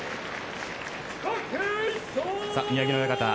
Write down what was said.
宮城野親方